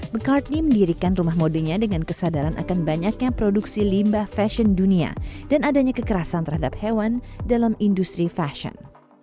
mccartney mendirikan rumah modenya dengan kesadaran akan banyaknya produksi limbah fashion dunia dan adanya kekerasan terhadap hewan dalam industri fashion